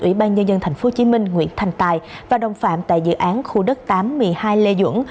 ủy ban nhân dân tp hcm nguyễn thành tài và đồng phạm tại dự án khu đất tám một mươi hai lê duẩn